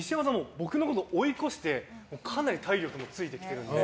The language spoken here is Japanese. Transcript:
僕のこと追い越してかなり体力ついてきてるので。